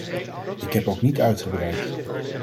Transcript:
Ik heb ook niet uitgebreid.